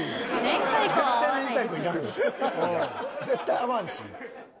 絶対合わんし。